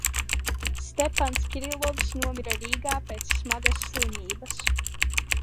Stepans Kirilovs nomira Rīgā pēc smagas slimības.